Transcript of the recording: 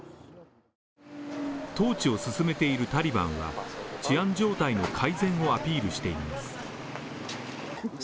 統治を進めているタリバンは治安状態の改善をアピールしています。